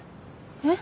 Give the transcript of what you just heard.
えっ？